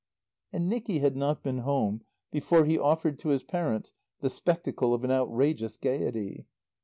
And Nicky had not been home before he offered to his parents the spectacle of an outrageous gaiety.